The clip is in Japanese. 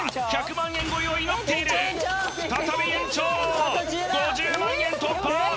１００万円超えを祈っている再び延長５０万円突破！